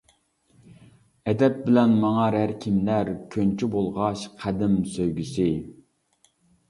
ئەدەپ بىلەن ماڭار ھەر كىملەر، كۆنچى بولغاچ قەدىم سۆيگۈسى.